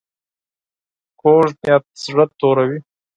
کوږ نیت زړه توروي